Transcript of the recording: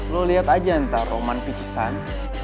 lu liat aja entah roman pijisan